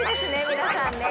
皆さんね。